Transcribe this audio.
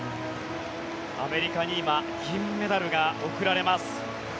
アメリカに今銀メダルが贈られます。